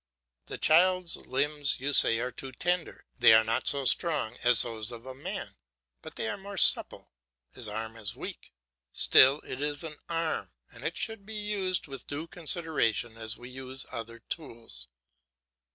The child's limbs, you say, are too tender. They are not so strong as those of a man, but they are more supple. His arm is weak, still it is an arm, and it should be used with due consideration as we use other tools.